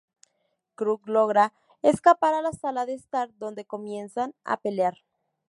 Krug logra escapar a la sala de estar, donde comienzan a pelear.